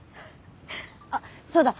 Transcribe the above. あっそうだ。